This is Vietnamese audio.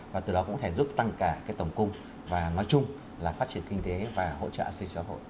và từ đó cũng thể giúp tăng cả cái tổng cung và nói chung là phát triển kinh tế và hỗ trợ sinh xã hội